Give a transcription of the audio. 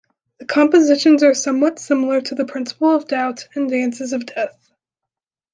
The compositions are somewhat similar to "The Principle of Doubt" and "Dances of Death".